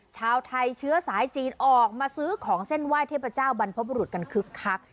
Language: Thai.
ชาวไทยเชื้อสายจีนออกมาซื้อของเส้นไหว้เทพเจ้าบรรพบุรุษกันคึกคัก